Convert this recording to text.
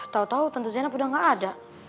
tau tau tante jenap udah gak ada